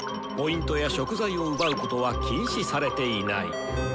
Ｐや食材を奪うことは禁止されていない。